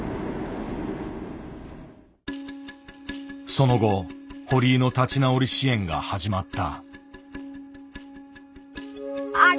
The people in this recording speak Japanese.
その後堀井の立ち直り支援が始まった。